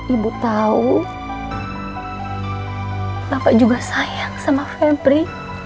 ibu tahu bapak juga sayang sama kempri